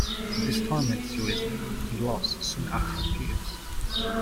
This torments Urizen, and Los soon after appears.